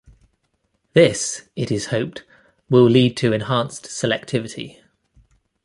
This, it is hoped, will lead to enhanced selectivity.